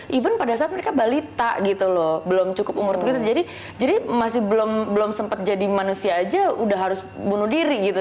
even pada saat mereka balita gitu loh belum cukup umur tuh kita jadi masih belum sempat jadi manusia aja udah harus bunuh diri gitu